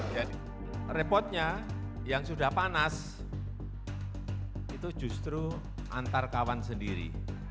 jadi repotnya yang sudah panas itu justru antar kawan sendiri